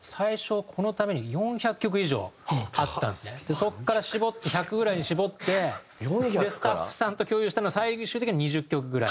そこから絞って１００ぐらいに絞ってスタッフさんと共有したのが最終的には２０曲ぐらい。